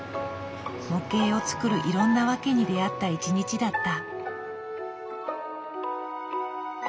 模型を作るいろんな訳に出会った一日だった。